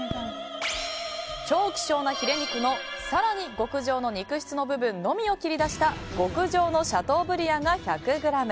希少なヒレ肉の、更に極上の肉質の部分のみを切り出した極上のシャトーブリアンが１００ｇ。